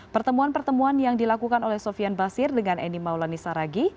pertemuan pertemuan yang dilakukan oleh sofian basir dengan eni maulani saragi